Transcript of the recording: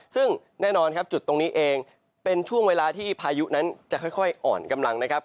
ซึ่งแน่นอนครับจุดตรงนี้เองเป็นช่วงเวลาที่พายุนั้นจะค่อยอ่อนกำลังนะครับ